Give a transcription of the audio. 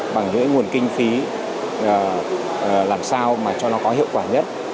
bằng những nguồn kinh phí làm sao mà cho nó có hiệu quả nhất